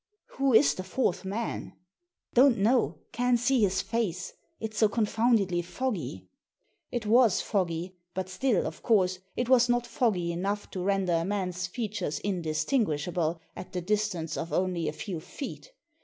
" Who is the fourth man ?" "Don't know; can't see his face. It's so con foundedly foggy I" It was foggy ; but still, of course, it was not foggy enough to render a man's features indistinguishable at the distance of only a few feet.